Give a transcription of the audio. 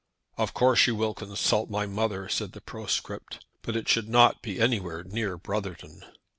"Of course you will consult my mother," said the postscript; "but it should not be anywhere near Brotherton."